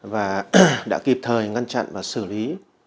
và đã kịp thời ngăn chặn và xử lý